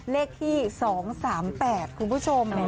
เลขที่๒๓๘คุณผู้ชม